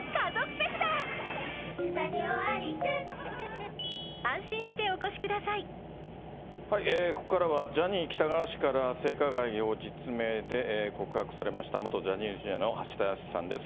このあと、被害者の１人、ここからは、ジャニー喜多川氏から性加害を実名で告白されました元ジャニーズＪｒ．の橋田康さんです。